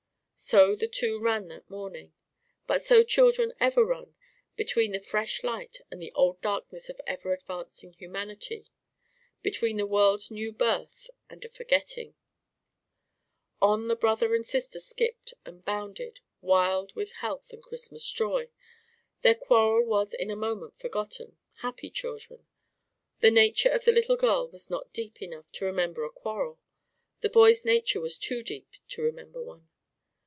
So the two ran that morning. But so children ever run between the fresh light and the old darkness of ever advancing humanity between the world's new birth and a forgetting. On the brother and sister skipped and bounded, wild with health and Christmas joy. Their quarrel was in a moment forgotten happy children! The nature of the little girl was not deep enough to remember a quarrel; the boy's nature was too deep to remember one.